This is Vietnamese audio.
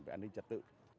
về an ninh trật tự